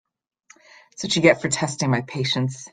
That’s what you get for testing my patience.